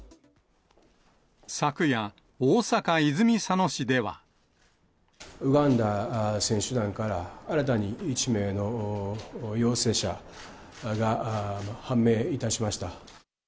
昨夜、ウガンダ選手団から、新たに１名の陽性者が判明いたしました。